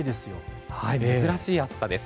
珍しい暑さです。